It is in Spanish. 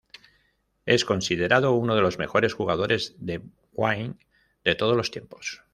Es considerado uno de los mejores jugadores de wing de todos los tiempos.